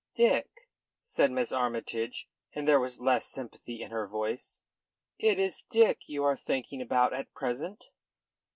"Dick?" said Miss Armytage, and there was less sympathy in her voice. "It is Dick you are thinking about at present?"